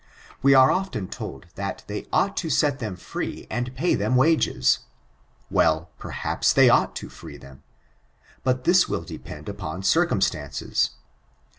We are often told that they ought to set them free and pay them wages. Well, perhaps they ought to free them. But this will depend upon circumstances.